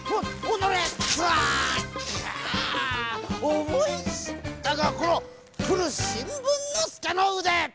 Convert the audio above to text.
おもいしったかこのふるしんぶんのすけのうで！